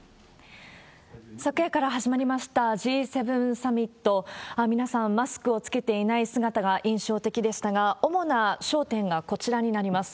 昨夜から始まりましたＧ７サミット、皆さん、マスクをつけていない姿が印象的でしたが、主な焦点がこちらになります。